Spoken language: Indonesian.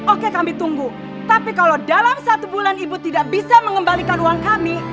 oke kami tunggu tapi kalau dalam satu bulan ibu tidak bisa mengembalikan uang kami